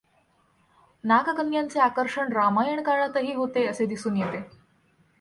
नागकन्यांचे आकर्षण रामायण काळातही होते असे दिसून येते.